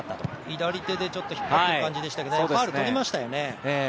左手で引っ張ってる感じでしたけどファウルとりましたよね。